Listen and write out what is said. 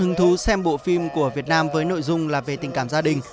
hưng thú xem bộ phim của việt nam với nội dung là về tình cảm gia đình